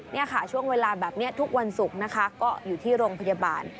นี่ค่ะช่วงเวลาแบบนี้ทุกวันศุกร์นะคะก็อยู่ที่โรงพยาบาล